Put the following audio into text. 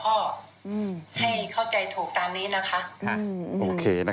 ให้เข้าใจถูกตามนี้นะค่ะ